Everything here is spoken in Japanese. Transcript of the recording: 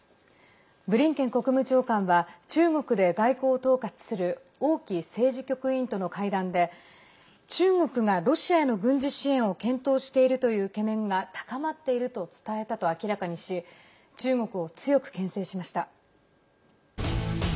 ブリンケン国務長官は中国で外交を統括する王毅政治局委員との会談で中国がロシアへの軍事支援を検討しているという懸念が高まっていると伝えたと明らかにし中国を強くけん制しました。